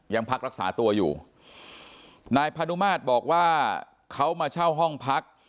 ยังพักรักษาตัวอยู่นายพานุมาตรบอกว่าเขามาเช่าห้องพัก